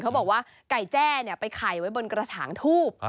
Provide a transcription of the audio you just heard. เขาบอกว่าไก่แจ้ไปไข่ไว้บนกระถางทูบ